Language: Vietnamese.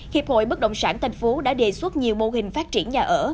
hiệp hội bất động sản thành phố đã đề xuất nhiều mô hình phát triển nhà ở